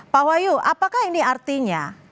pak wahyu apakah ini artinya